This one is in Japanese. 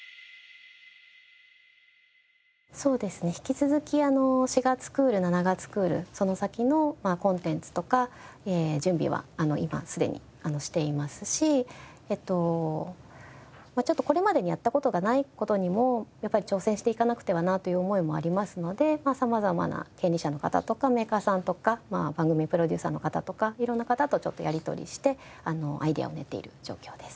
引き続き４月クール７月クールその先のコンテンツとか準備は今すでにしていますしこれまでにやった事がない事にもやっぱり挑戦していかなくてはなという思いもありますので様々な権利者の方とかメーカーさんとか番組プロデューサーの方とか色んな方とやり取りしてアイデアを練っている状況です。